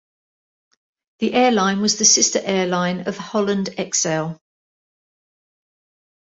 The airline was the sister airline of Holland Exel.